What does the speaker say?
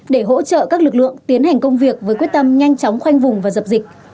để hỗ trợ các lực lượng tiến hành công việc với quyết tâm nhanh chóng khoanh vùng và dập dịch